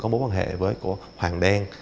có mối quan hệ với của hoàng đen